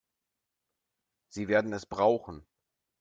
Sie werden es brauchen.